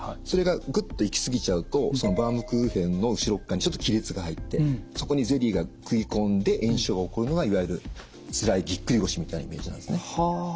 それがグッと行き過ぎちゃうとそのバームクーヘンの後ろ側にちょっと亀裂が入ってそこにゼリーが食い込んで炎症が起こるのがいわゆるつらいぎっくり腰みたいなイメージなんですね。